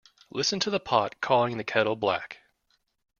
Listen to the pot calling the kettle black.